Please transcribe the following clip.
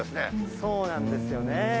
そうなんですよね。